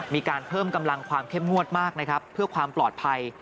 มีการเพิ่มกำลังความเข้มงวดมากนะครับเพื่อความปลอดภัย